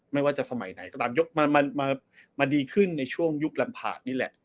ไม่ว่าจะสมัยไหนก็ตามยกมาดีขึ้นในช่วงยุคลำผากนี่แหละ